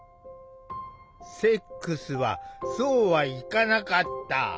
セックスはそうはいかなかった。